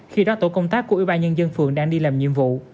khi đó tổ công tác của ubnd phường đang đi làm nhiệm vụ